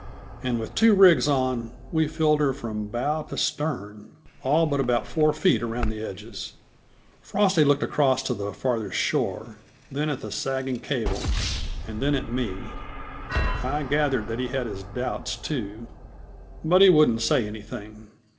And with two rigs on, we filled her from bow to stern; all but about four feet around the edges. Frosty looked across to the farther shore, then at the sagging cable, and then at me. I gathered that he had his doubts, too, but he wouldn't say anything.